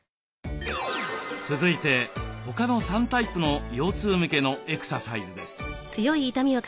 続いて他の３タイプの腰痛向けのエクササイズです。